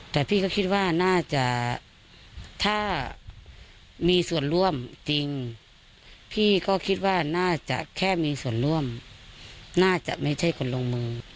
แต่พี่ก็คิดว่าน่าจะถ้ามีส่วนร่วมจริงพี่ก็คิดว่าน่าจะแค่มีส่วนร่วมน่าจะไม่ใช่คนลงมือ